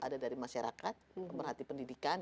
dari masyarakat pemerhati pendidikan